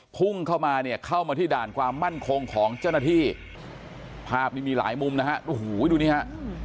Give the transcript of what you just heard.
พุ่งเข้ามาเนี่ยเข้ามาที่ด่านความมั่นคงของเจ้าหน้าที่ภาพนี้มีหลายมุมนะฮะโอ้โหดูนี่ฮะ